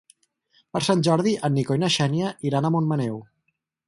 Per Sant Jordi en Nico i na Xènia iran a Montmaneu.